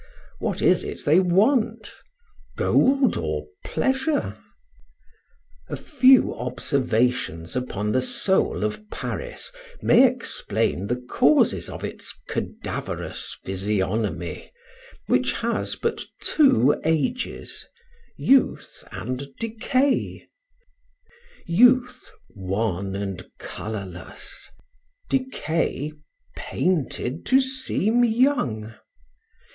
What is it they want? Gold or pleasure? A few observations upon the soul of Paris may explain the causes of its cadaverous physiognomy, which has but two ages youth and decay: youth, wan and colorless; decay, painted to seem young.